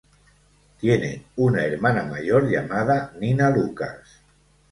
Tiene una hermana mayor llamada Nina Lucas.